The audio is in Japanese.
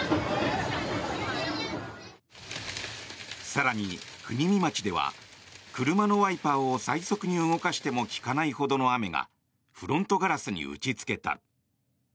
更に国見町では車のワイパーを最速に動かしても利かないほどの雨がフロントガラスに打ちつけた。